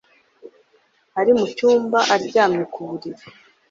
ari mucyumba, aryamye ku buriri.